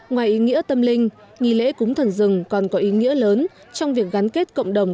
ngoài ý nghĩa tâm linh nghi lễ cúng thần rừng còn có ý nghĩa lớn trong việc gắn kết cộng đồng